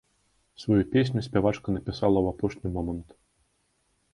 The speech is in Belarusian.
Сваю песню спявачка напісала ў апошні момант.